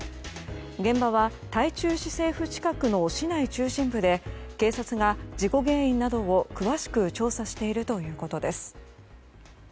現場は台中市政府近くの市内中心部で警察が事故原因などを詳しく調査しているということです。